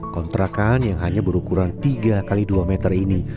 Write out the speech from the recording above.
kontrakan yang hanya berukuran tiga x dua meter ini